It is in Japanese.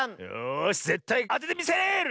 よしぜったいあててみせる！